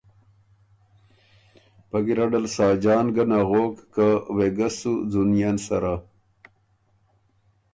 پۀ ګیرډل ساجان ګه نغوک که وېګه سو ځُونيېن سَرَه۔